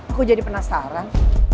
aku jadi penasaran